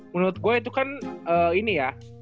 menurut gue itu kan ini ya